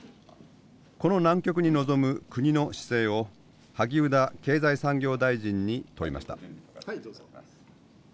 この難局に臨む国の姿勢を萩生田経済産業大臣に問いました。